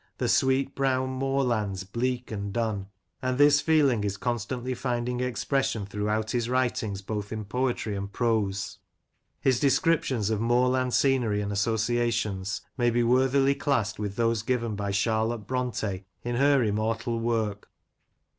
The sweet brown moorlands bleak and dun, and this feeling is constantly finding expression throughout his writings both in poetry and prose. His descriptions of moorland scenery and associations may worthily be classed with those given by Charlotte Bronte in her immortal work.